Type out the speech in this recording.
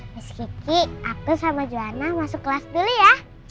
miss gigi aku sama jona masuk kelas dulu ya